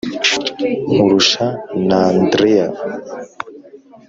Nkurusha n'Andreya